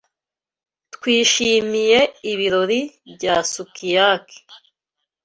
Twishimiye ibirori bya sukiyaki.